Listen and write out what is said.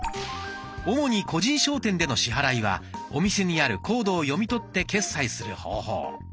主に個人商店での支払いはお店にあるコードを読み取って決済する方法。